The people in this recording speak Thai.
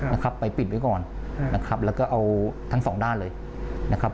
นะครับไปปิดไว้ก่อนอืมนะครับแล้วก็เอาทั้งสองด้านเลยนะครับ